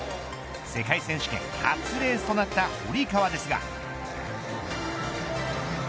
世界選手権初レースとなった堀川ですが。